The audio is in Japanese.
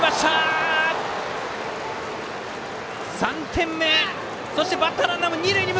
３点目！